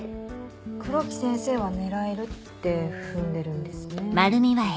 黒木先生は狙えるって踏んでるんですね。